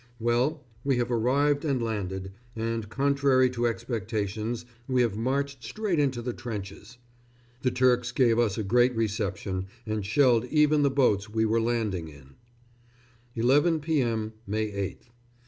_ Well, we have arrived and landed, and contrary to expectations we have marched straight into the trenches. The Turks gave us a great reception, and shelled even the boats we were landing in. 11 p.m., _May 8th.